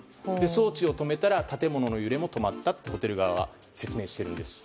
装置を止めたら建物の揺れも止まったとホテル側は説明しています。